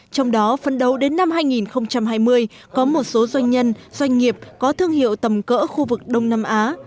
trong đó phân đấu đến năm hai nghìn hai mươi có một số doanh nhân doanh nghiệp có thương hiệu tầm cỡ khu vực đông nam á